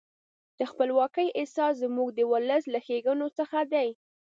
د خپلواکۍ احساس زموږ د ولس له ښېګڼو څخه دی.